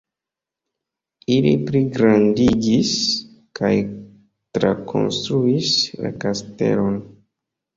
Ili pligrandigis kaj trakonstruis la kastelon.